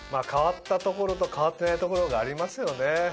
変わったところと変わってないところがありますよね。